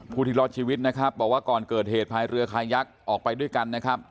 ที่รอดชีวิตนะครับบอกว่าก่อนเกิดเหตุพายเรือคายักษ์ออกไปด้วยกันนะครับ